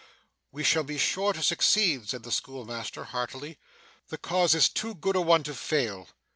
'We shall be sure to succeed,' said the schoolmaster, heartily. 'The cause is too good a one to fail.